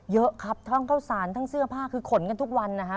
เยอะครับทั้งข้าวสารทั้งเสื้อผ้าคือขนกันทุกวันนะฮะ